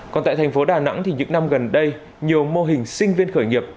còn tại thành phố đà nẵng thì những năm gần đây nhiều mô hình sinh viên khởi nghiệp